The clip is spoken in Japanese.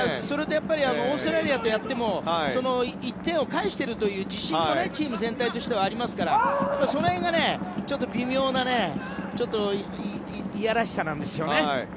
それとオーストラリアとやっても１点を返しているという自信もチーム全体としてはありますからその辺が、微妙な嫌らしさなんですよね。